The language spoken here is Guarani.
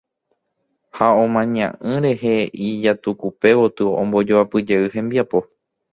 Ha omaña'ỹ rehe ijatukupe gotyo ombojoapyjey hembiapo.